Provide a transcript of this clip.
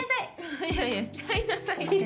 ははっいやいやしちゃいなさいって。